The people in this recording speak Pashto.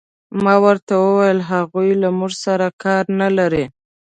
ما ورته وویل: هغوی له موږ سره کار نه لري.